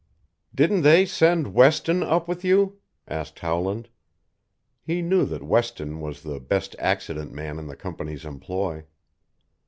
"Didn't they send Weston up with you?" asked Howland. He knew that Weston was the best "accident man" in the company's employ.